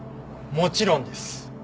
もちろんです。